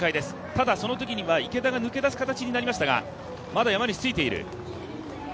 ただそのときには池田が抜け出す形になりましたがまだ山西ついている。